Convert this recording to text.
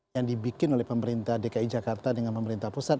yang dibikin oleh pemerintah dki jakarta dengan pemerintah pusat